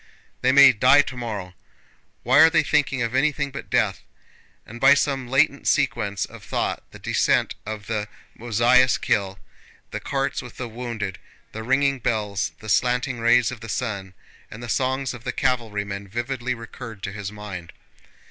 "They may die tomorrow; why are they thinking of anything but death?" And by some latent sequence of thought the descent of the Mozháysk hill, the carts with the wounded, the ringing bells, the slanting rays of the sun, and the songs of the cavalrymen vividly recurred to his mind.